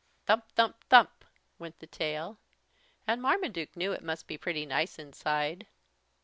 Thump thump thump went the tail. And Marmaduke knew it must be pretty nice inside.